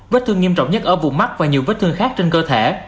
vết thương nghiêm trọng nhất ở vùng mắt và nhiều vết thương khác trên cơ thể